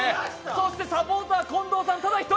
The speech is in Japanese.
そしてサポーターは近藤さん、ただ１人。